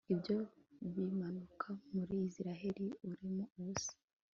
ibyo bimanuka muri salle irimo ubusa